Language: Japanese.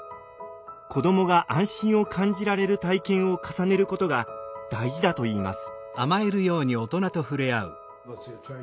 子どもが安心を感じられる体験を重ねることが大事だといいます。